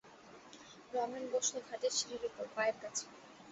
রমেন বসল ঘাটের সিঁড়ির উপর, পায়ের কাছে।